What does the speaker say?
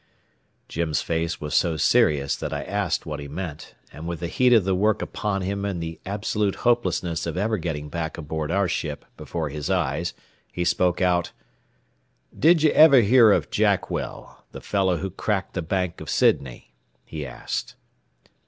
Jim's face was so serious that I asked what he meant, and with the heat of the work upon him and the absolute hopelessness of ever getting back aboard our ship before his eyes, he spoke out: "Did you ever hear of Jackwell, the fellow who cracked the Bank of Sydney?" he asked.